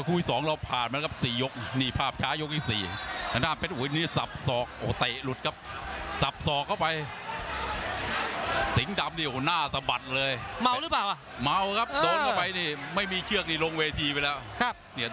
อืมเทศหัวหินใกล้จบใกล้หมดยกครับนิดเดียวนิดเดียว